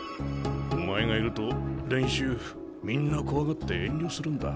お前がいると練習みんな怖がって遠慮するんだ。